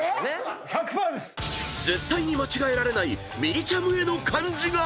［絶対に間違えられないみりちゃむへの漢字が］